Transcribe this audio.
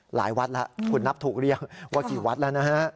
หลายวัดแล้วคุณนับถูกเรียกว่ากี่วัดแล้วนะฮะ